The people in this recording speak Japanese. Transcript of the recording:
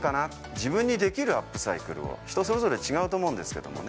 自分にできるアップサイクルを人それぞれ違うと思うんですけどもね。